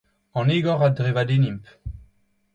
An egor a drevadennimp.